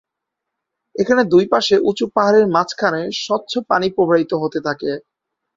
এখানে দুইপাশে উঁচু পাহাড়ের মাঝখানে স্বচ্ছ পানি প্রবাহিত হতে থাকে।